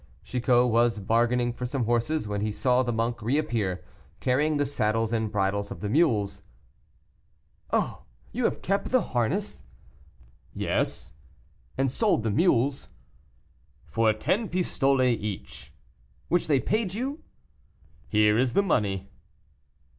Chicot was bargaining for some horses, when he saw the monk reappear, carrying the saddles and bridles of the mules. "Oh! you have kept the harness?" "Yes." "And sold the mules?" "For ten pistoles each." "Which they paid you?" "Here is the money."